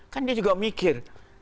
kan dia juga mikir